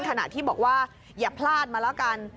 ขณะที่บอกว่าอย่าพลาดมาแล้วกัน